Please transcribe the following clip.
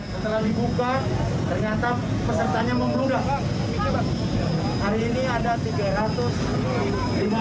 setelah dibuka ternyata pesertanya memeludah